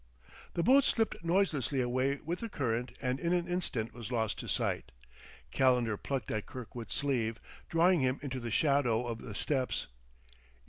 The boat slipped noiselessly away with the current and in an instant was lost to sight. Calendar plucked at Kirkwood's sleeve, drawing him into the shadow of the steps.